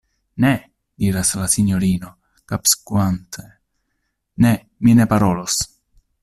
Ne! diras la sinjorino, kapskuante, Ne! mi ne parolos!